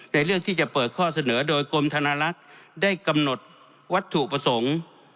เรื่องที่จะเปิดข้อเสนอโดยกรมธนลักษณ์ได้กำหนดวัตถุประสงค์